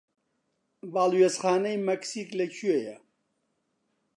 باڵیۆزخانەی مەکسیک لەکوێیە؟